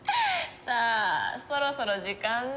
さあそろそろ時間ね。